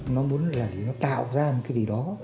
nó muốn là để nó tạo ra cái gì đó